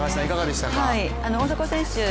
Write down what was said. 大迫選手